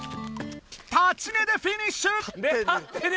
立ちねでフィニッシュ！